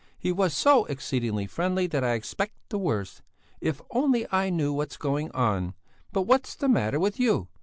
He was so exceedingly friendly that I expect the worst. If only I knew what's going on! But what's the matter with you?